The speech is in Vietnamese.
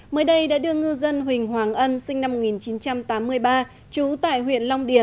mới đây đã đưa ngư dân huỳnh hoàng ân sinh năm một nghìn chín trăm tám mươi ba trú tại huyện long điền